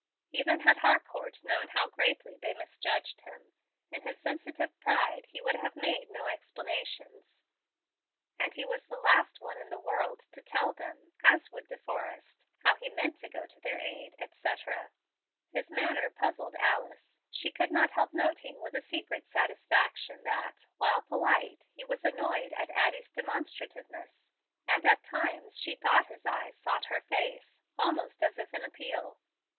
Even had Harcourt known how greatly they misjudged him, in his sensitive pride he would have made no explanations; and he was the last one in the world to tell them, as would De Forrest, how he meant to go to their aid, etc. His manner puzzled Alice. She could not help noting with a secret satisfaction that, while polite, he was annoyed at Addie's demonstrativeness; and at times she thought his eyes sought her face almost as if in appeal.